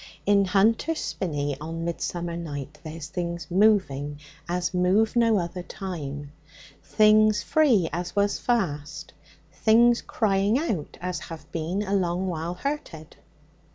'In Hunter's Spinney on midsummer night there's things moving as move no other time; things free as was fast; things crying out as have been a long while hurted.'